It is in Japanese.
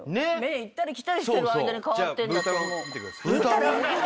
行ったり来たりしてる間に変わってんだと思う。